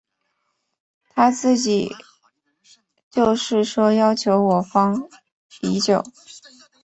他自己就是说要求我方已久。